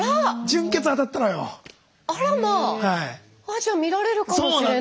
あっじゃあ見られるかもしれない。